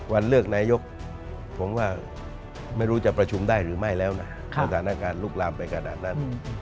วันเลือกนายกผมว่าไม่รู้จะประชุมได้หรือไม่แล้วนะสถานการณ์ลุกลามไปขนาดนั้น